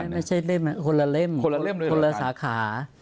ไม่ใช่เล่มคนละเล่มคนละสาขา